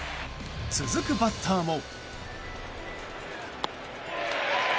続くバッターも。